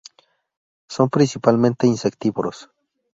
Son principalmente insectívoros.